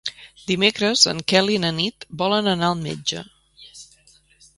Dimecres en Quel i na Nit volen anar al metge.